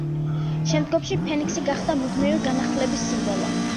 შემდგომში ფენიქსი გახდა მუდმივი განახლების სიმბოლო.